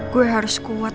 gue harus kuat